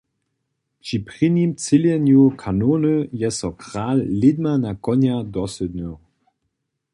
Při prěnim třělenju kanony je so kral lědma na konja dosydnył.